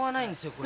これ。